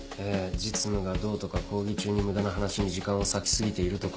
実務がどうとか講義中に無駄な話に時間を割き過ぎているとか。